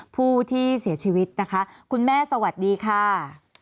ผู้ที่เสียชีวิตนะคะคุณแม่สวัสดีค่ะ